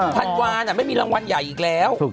ทันวานไม่มีรางวัลใหญ่อีกแล้วถูกต้อง